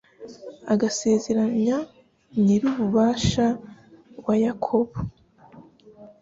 agasezeranya Nyir’Ububasha wa Yakobo